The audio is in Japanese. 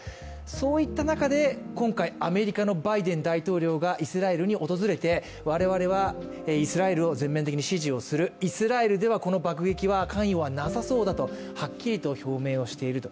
そういった中で今回、アメリカのバイデン大統領がイスラエルを訪れて我々はイスラエルを全面的に支持をするイスラエルはこの爆撃への関与はなさそうだとはっきりと表明をしていると。